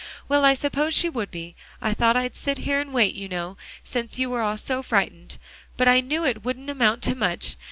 "Well, I supposed she would be. I thought I'd sit here and wait to know, since you were all so frightened. But I knew it wouldn't amount to much.